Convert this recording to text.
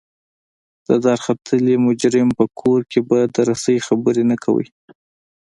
د دارختلي مجرم په کور کې به د رسۍ خبرې نه کوئ.